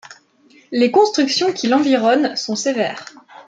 Les constructions qui l’environnent sont sévères.